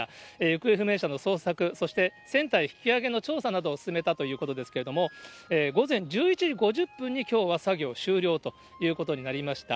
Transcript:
行方不明者の捜索、そして船体引き揚げの調査などを進めたということですけれども、午前１１時５０分にきょうは作業終了ということになりました。